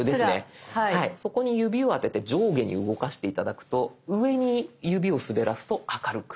そこに指を当てて上下に動かして頂くと上に指を滑らすと明るく。